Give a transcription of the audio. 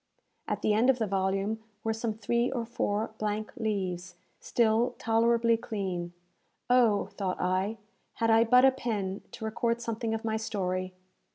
At the end of the volume were some three or four blank leaves, still tolerably clean. "Oh," thought I, "had I but a pen, to record something of my story!"